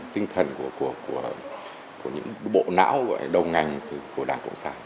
tinh thần của những bộ não gọi đầu ngành của đảng cộng sản